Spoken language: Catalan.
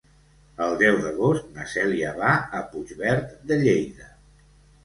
El deu d'agost na Cèlia va a Puigverd de Lleida.